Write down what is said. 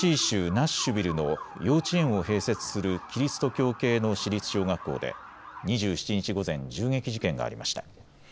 ナッシュビルの幼稚園を併設するキリスト教系の私立小学校で２７日午前、銃撃事件がありました。